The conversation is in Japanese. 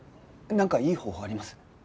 なんかいい方法あります？